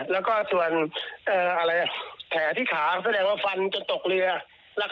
แล้วก็ส่วนแผลที่ขาแสดงว่าฟันจนตกเรือ